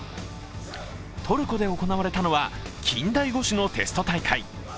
トルコで行われたのは近代五種のテスト大会。